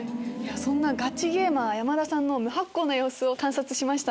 そんなガチゲーマー山田さんの無発光な様子を観察しました。